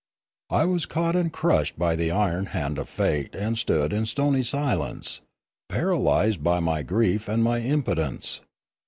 I was caught and crushed by the iron hand of fate and stood in stony silence, paralysed by my grief and my impotence.